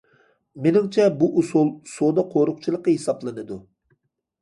مېنىڭچە بۇ ئۇسۇل سودا قورۇقچىلىقى ھېسابلىنىدۇ.